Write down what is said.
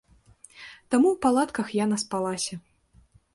Таму ў палатках я наспалася.